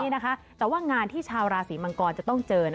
แต่ว่างานที่ชาวราศีมังกรจะต้องเจอ